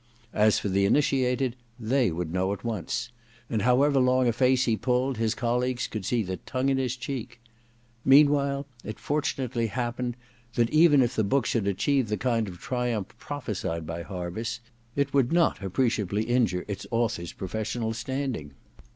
As for the initiated, they would know at once : and however long a face he pulled, his colleagues would see the tongue in his cheek. Meanwhile it fortunately happened that, even if the book should achieve the kdnd of triumph prophesied by Harviss, it would not appreciably injure its author's professional standing.